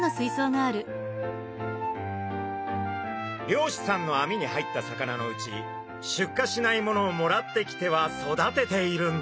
漁師さんのあみに入った魚のうち出荷しないものをもらってきては育てているんです。